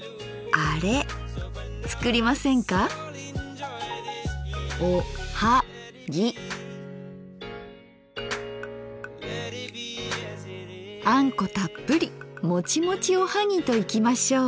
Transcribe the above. あんこたっぷりもちもちおはぎといきましょう。